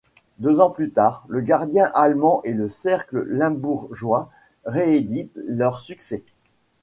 Deux ans plus tard, le gardien allemand et le cercle limbourgeois réédite leur succès.